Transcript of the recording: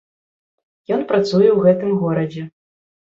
Ён працуе ў гэтым горадзе.